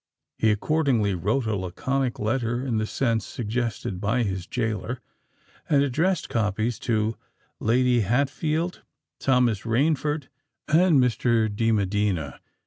He accordingly wrote a laconic letter in the sense suggested by his gaoler; and addressed copies to Lady Hatfield, Thomas Rainford, and Mr. de Medina.